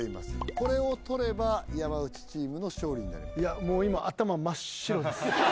これを取れば山内チームの勝利になります